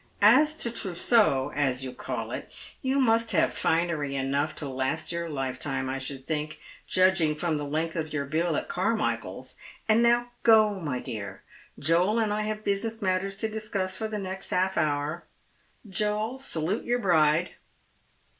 As to trousseau, as you call it, you must have finery enough to last your lifetime, I should think, judging from the length of your bill at Carmichael's ; and now go, my dear ; Joel and I have business matters to discuss for the next half hour. Joel, salute your biide."